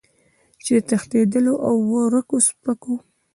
چې د تښتېدلو او ورکو سپکو